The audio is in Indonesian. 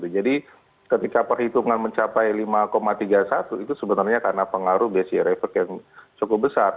jadi ketika perhitungan mencapai lima tiga puluh satu itu sebenarnya karena pengaruh base year effect yang cukup besar